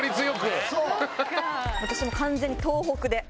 私も完全に東北で。